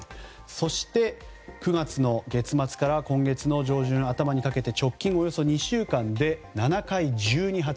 そして、９月の月末から今月の上旬、頭にかけて直近およそ２週間で７回、１２発。